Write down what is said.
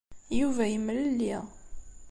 Yuba yemlelli.